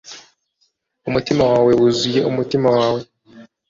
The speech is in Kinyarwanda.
Umutima wawe wuzuye umutima wawe